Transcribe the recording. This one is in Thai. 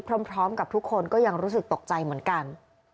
พร้อมกับทุกคนก็ยังรู้สึกตกใจเหมือนกัน